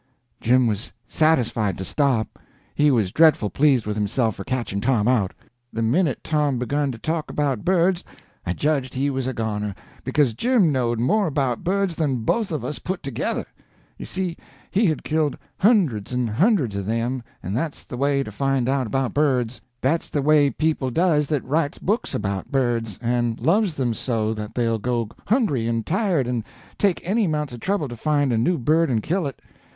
Jim was satisfied to stop. He was dreadful pleased with himself for catching Tom out. The minute Tom begun to talk about birds I judged he was a goner, because Jim knowed more about birds than both of us put together. You see, he had killed hundreds and hundreds of them, and that's the way to find out about birds. That's the way people does that writes books about birds, and loves them so that they'll go hungry and tired and take any amount of trouble to find a new bird and kill it.